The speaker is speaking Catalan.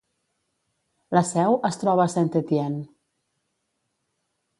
La seu es troba a Saint-Étienne.